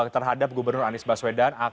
terhadap gubernur anies baswedan